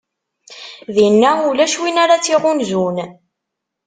Dinna ulac win ara tt-iɣunzun.